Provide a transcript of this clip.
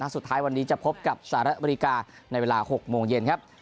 สุดท้ายวันนี้จะพบกับสหรัฐอเมริกาในเวลา๖โมงเย็นครับ